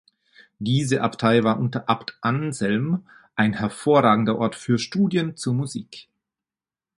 Diese Abtei war unter Abt Anselm ein hervorragender Ort für Studien zur Musik.